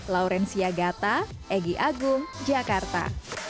laurencia gata egy agung jakarta